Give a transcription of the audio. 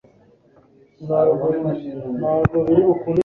Nahawe igihe kitoroshye numusore udasanzwe kuri salle.